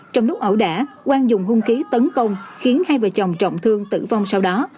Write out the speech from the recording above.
trong lúc ẩu đả quang dùng hung khí tấn công khiến hai vợ chồng trọng thương tử vong sau đó